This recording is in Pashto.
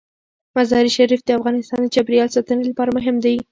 مزارشریف د افغانستان د چاپیریال ساتنې لپاره مهم دي.